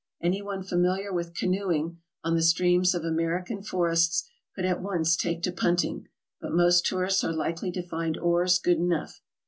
Anyone familiar with canoeing on the streams of American forests could at once take to punting, but most tourists are likely to find oars good enough.